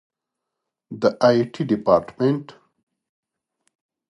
د آی ټي ډیپارټمنټ